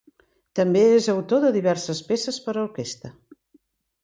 També és autor de diverses peces per a orquestra.